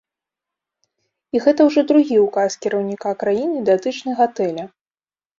І гэта ўжо другі ўказ кіраўніка краіны датычны гатэля.